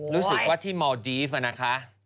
รู้สึกว่าที่มอลดีฟนะคะ